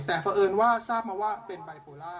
แต่เพราะเอิญว่าทราบมาว่าเป็นไบโพล่า